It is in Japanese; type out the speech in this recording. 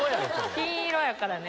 金色やからね。